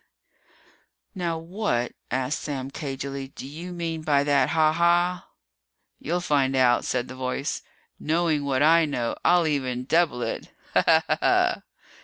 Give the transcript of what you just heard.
"Now what," asked Sam cagily, "do you mean by that 'ha ha'?" "You'll find out," said the voice. "Knowin' what I know, I'll even double it. Ha ha, ha ha!"